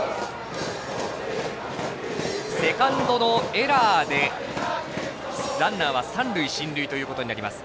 セカンドのエラーでランナーは三塁進塁となります。